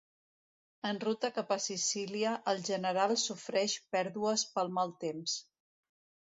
En ruta cap a Sicília, el general sofreix pèrdues pel mal temps.